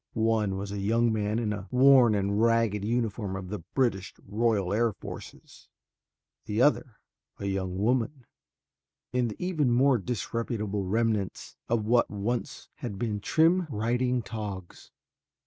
One was a young man in a worn and ragged uniform of the British Royal Air Forces, the other, a young woman in the even more disreputable remnants of what once had been trim riding togs.